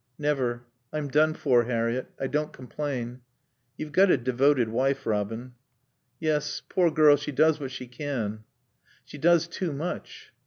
"Never. I'm done for, Harriett. I don't complain." "You've got a devoted wife, Robin." "Yes. Poor girl, she does what she can." "She does too much."